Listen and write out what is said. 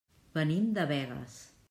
Venim de Begues.